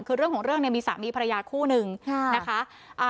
คือเรื่องของเรื่องเนี่ยมีสามีภรรยาคู่หนึ่งนะคะ